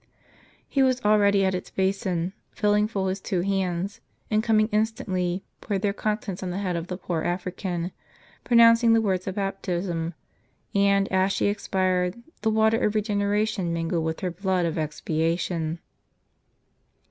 He was already at its basin, filling full his two hands, and coming instantly, poured their contents on the head of the poor African, pronouncing the words of baptism ; and, as she expired, the water of regeneration mingled with her blood of expiation.